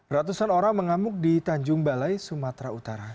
ratusan orang mengamuk di tanjung balai sumatera utara